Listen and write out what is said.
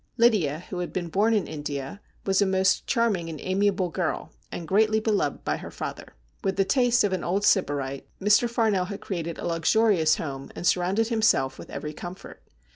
Lydia, who had been born in India, was a most charming and amiable girl, and greatly beloved by her father. With the tastes of an old Sybarite, Mr. Farnell had created a luxurious home, and surrounded him self with every comfort.